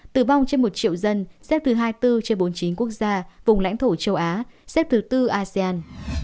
tử vong trên một triệu dân xếp thứ hai mươi bốn trên bốn mươi chín quốc gia vùng lãnh thổ châu á xếp thứ tư asean